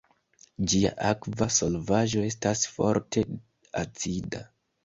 Ĝia akva solvaĵo estas forte acida.